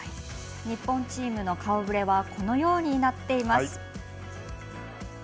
日本チームの顔ぶれはこのようになっています。